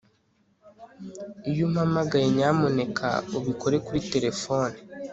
Iyo umpamagaye nyamuneka ubikore kuri terefone